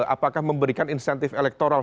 apakah memberikan insentif elektoral